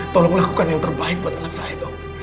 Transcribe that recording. tolong lakukan yang terbaik buat anak saya dong